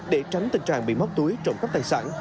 để tránh tình trạng bị móc túi trộm cắp tài sản